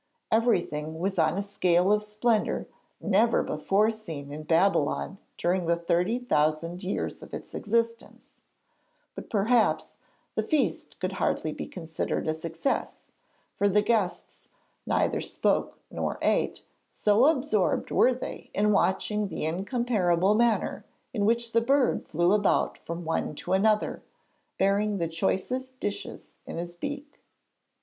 Everything was on a scale of splendour never before seen in Babylon during the thirty thousand years of its existence; but perhaps the feast could hardly be considered a success, for the guests neither spoke nor ate, so absorbed were they in watching the incomparable manner in which the bird flew about from one to another, bearing the choicest dishes in his beak.